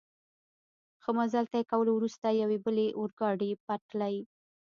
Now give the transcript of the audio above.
ښه مزل طی کولو وروسته، یوې بلې اورګاډي پټلۍ.